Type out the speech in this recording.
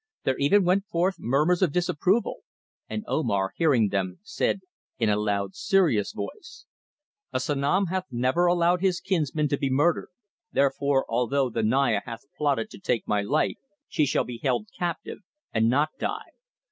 There even went forth murmurs of disapproval, and Omar, hearing them, said in a loud, serious voice: "A Sanom hath never allowed his kinsman to be murdered, therefore although the Naya hath plotted to take my life, she shall be held captive, and not die.